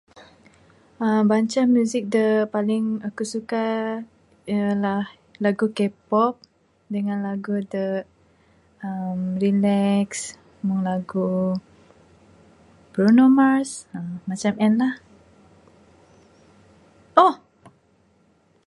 uhh banca music da paling aku suka ialah lagu K-pop dangan lagu de relax meng lagu Bruno Mars sien lah. uhh